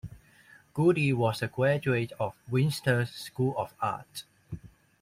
Goody was a graduate of Winchester School of Art.